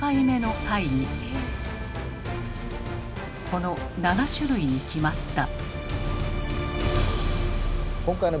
この７種類に決まった。